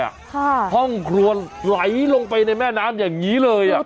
ค่ะห้องครัวไหลลงไปในแม่น้ำอย่างงี้เลยอ่ะ